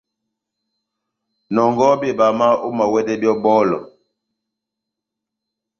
Nɔngɔhɔ bebama, omawɛdɛ byɔ́ ó bɔlɔ.